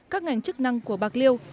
các ngành chức năng của bạc liêu